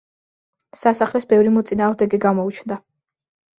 სასახლეს ბევრი მოწინააღმდეგე გამოუჩნდა.